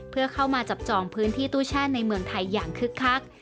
เพื่อเข้ามาจับจองพื้นที่ตู้แช่ในเมืองไทยอย่างคึกคัก